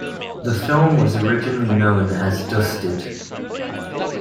The film was originally known as "Dusted".